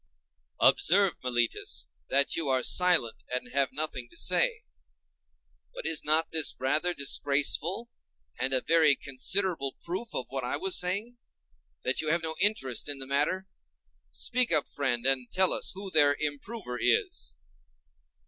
Observe, Meletus, that you are silent, and have nothing to say. But is not this rather disgraceful, and a very considerable proof of what I was saying, that you have no interest in the matter? Speak up, friend, and tell us who their improver is.